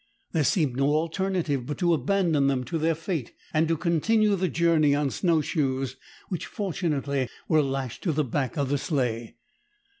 There seemed no alternative but to abandon them to their fate, and to continue the journey on snow shoes, which, fortunately, were lashed to the back of the sleigh.